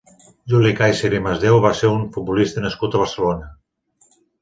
Juli Kaiser i Masdeu va ser un futbolista nascut a Barcelona.